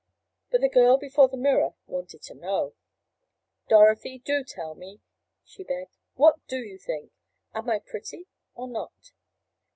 But the girl before the mirror wanted to know. "Dorothy, do tell me," she begged. "What do you think? Am I pretty, or not?"